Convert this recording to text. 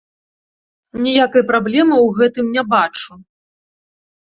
Ніякай праблемы ў гэтым не бачу.